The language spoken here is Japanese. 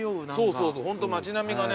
そうそうホント町並みがね